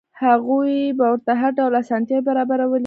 هغوی به ورته هر ډول اسانتیاوې برابرولې.